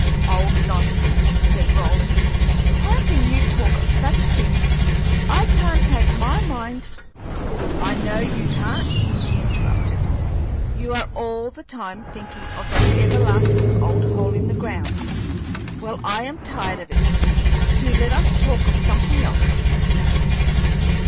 "Oh, nonsense!" said Roland. "How can you talk of such things? I can't take my mind " "I know you can't," she interrupted. "You are all the time thinking of that everlasting old hole in the ground. Well, I am tired of it; do let us talk of something else."